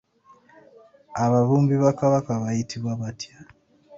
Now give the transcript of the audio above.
Ababumbi ba Kabaka bayitibwa batya?